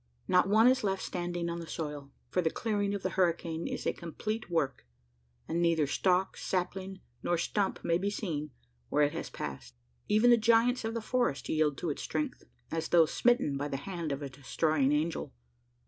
Not one is left standing on the soil: for the clearing of the hurricane is a complete work; and neither stalk, sapling, nor stump may be seen, where it has passed. Even the giants of the forest yield to its strength, as though smitten by the hand of a destroying angel!